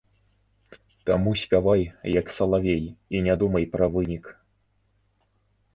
Таму спявай, як салавей, і не думай пра вынік.